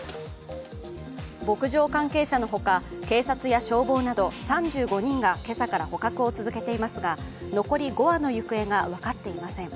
牧場関係者のほか、警察や消防など３５人が今朝から捕獲を続けていますが、残り５羽の行方が分かっていません。